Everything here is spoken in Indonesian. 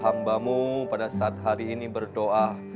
hambamu pada saat hari ini berdoa